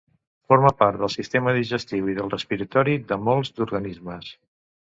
Forma part del sistema digestiu i del respiratori de molts d'organismes.